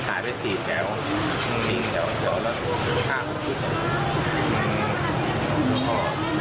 มันขายไป๔แถวตรงนี้แถวตรงนี้แถวแล้วถูกข้ามกับทุกที่